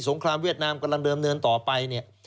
งครามเวียดนามกำลังเดิมเนินต่อไปเนี่ย